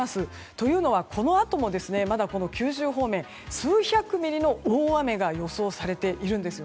というのは、このあともまだ九州方面数百ミリの大雨が予想されているんです。